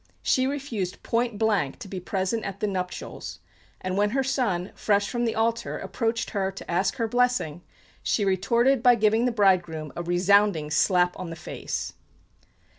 She refused point blank to be present at the nuptials, and when her son, fresh from the altar, approached her to ask her blessing, she retorted by giving the bridegroom a resounding slap on the face.